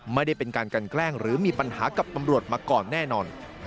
ไม่ได้เป็นการกันแกล้งหรือมีปัญหากับตำรวจมาก่อนแน่นอน